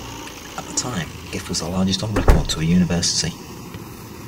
At the time, the gift was the largest on record to a university.